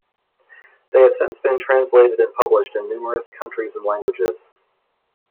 They have since been translated and published in numerous countries and languages.